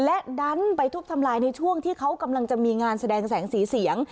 และดันไปทุบทำลายในช่วงที่เขากำลังจะมีงานแสดงแสงสีเสียง